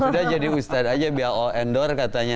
sudah jadi ustadz aja bel endor katanya